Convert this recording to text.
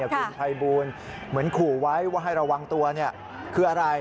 คุณภัยบูลเหมือนขู่ไว้ว่าให้ระวังตัวคืออะไร